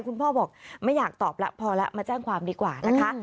พ่อบอกไม่อยากตอบแล้วพอแล้วมาแจ้งความดีกว่านะคะ